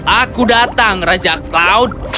aku datang raja cloud